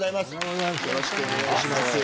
よろしくお願いします。